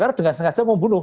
karena dengan sengaja membunuh